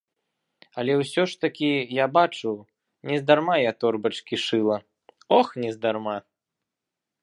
Але ўсё ж такі, як бачу, нездарма я торбачкі шыла, ох, нездарма!